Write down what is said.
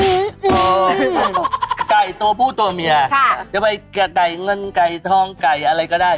ไก่ตัวผู้ตัวเมียจะไปแก่ไก่เงินไก่ทองไก่อะไรก็ได้